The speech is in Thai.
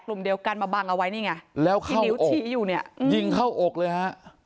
กลุ่มเดียวกันมาบังเอาไว้นี่ไงแล้วเข้านิ้วชี้อยู่เนี่ยยิงเข้าอกเลยฮะ